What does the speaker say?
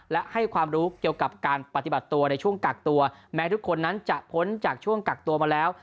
และให้ความรู้เกี่ยวกับการปฏิบัติตัวในช่วงกักตัวแม้ทุกคนนั้นจะพ้นจากช่วงกักตัวมาแล้ว